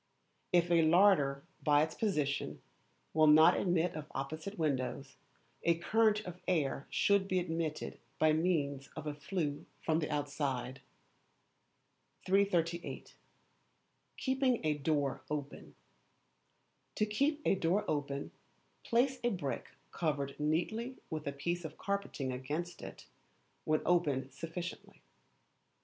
If a larder, by its position, will not admit of opposite windows, a current of air should be admitted by means of a flue from the outside. 338. Keeping a Door Open. To keep a door open, place a brick covered neatly with a piece of carpeting against it, when opened sufficiently.